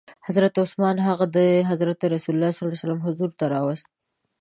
حضرت عثمان هغه د حضرت رسول ص حضور ته راووست.